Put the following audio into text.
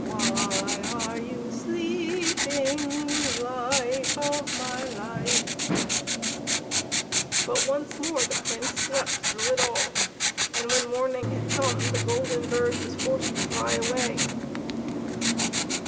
Why are you sleeping, Life of my life ?" But once more the Prince slept through it all, and when morning had come the golden bird was forced to fly away.